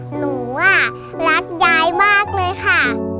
หนูรักยายมากเลยค่ะ